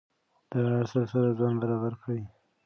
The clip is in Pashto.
د عصر سره ځان برابر کړئ.